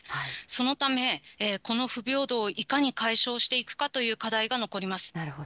そのため、この不平等をいかに解消していくかという課題が残ります。